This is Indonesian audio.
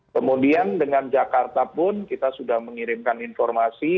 kemudian dengan jakarta pun kita sudah mengirimkan informasi